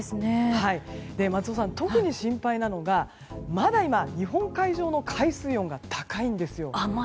特に心配なのがまだ今、日本海上の海水温が高いんですよ。